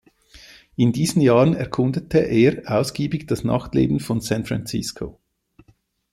In diesen Jahren erkundete er auch ausgiebig das Nachtleben von San Francisco.